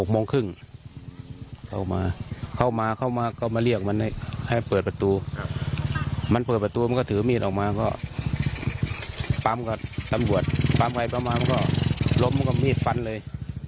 เข้ามาเข้ามาก็มาเรียกมันให้เปิดประตูมันเปิดประตูมันก็ถือมีดออกมาก็ปั๊มกับตำรวจปั๊มไปปั๊มมามันก็ล้มกับมีดฟันเลย